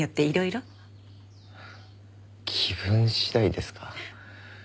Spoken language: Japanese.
気分次第ですか。